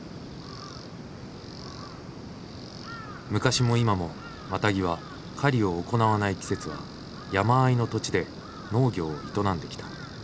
昔も今もマタギは狩りを行わない季節は山あいの土地で農業を営んできた。